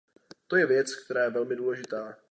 To je věc, která je velmi důležitá.